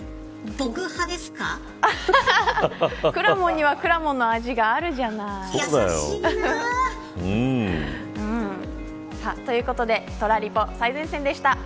くらもんにはくらもんの味があるじゃない。ということでトラリポ最前線でした。